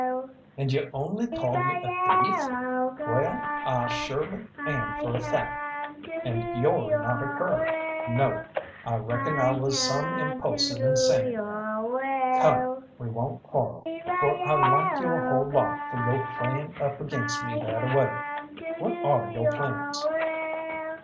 "And you only called me a thief? Wall, I shorely am for a fact, and you're not a cur no. I reckon I was some impulsive in saying that. Come, we won't quar'l, for I like you a whole lot for yo' playing up against me that a way. What are yo' plans?"